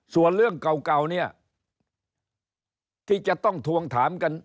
ส่วนเรื่องเก่าเนี่ยที่จะต้องทวงถามกัน